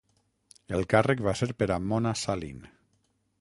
El càrrec va ser per a Mona Sahlin.